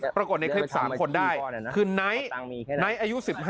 ปรากฏในคลิป๓คนได้คือไนท์ไนท์อายุ๑๕